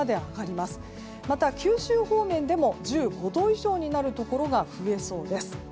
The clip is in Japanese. また九州方面でも１５度以上になるところが増えそうです。